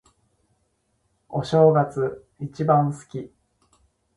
お正月、一番好き。